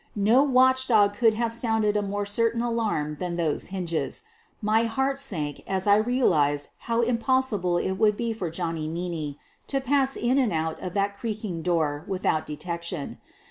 No watch dog could have sounded a more certain alarm than those hinges. My heart sank as I real ized how impossible it would be for Johnny Meaney to pass in and out i>f that creaking door without detection.